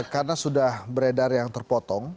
karena sudah beredar yang terpotong